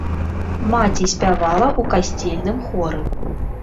Маці спявала ў касцельным хоры.